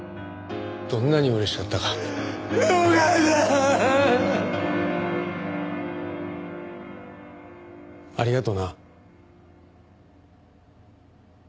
どんなに嬉しかったか。よかった！ありがとな。